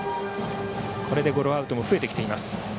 これでゴロアウトも増えてきています。